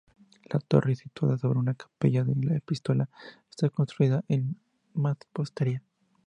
La torre, situada sobre una capilla de la epístola, está construida en mampostería.